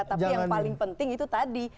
tapi yang paling penting itu tadi